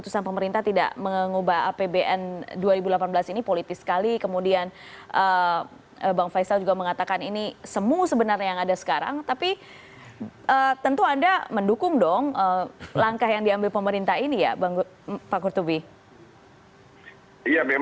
sehingga inflasinya relatif